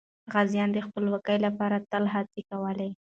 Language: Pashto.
غازیان به د خپلواکۍ لپاره تل هڅه کوله.